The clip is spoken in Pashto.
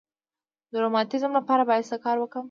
د روماتیزم لپاره باید څه شی وکاروم؟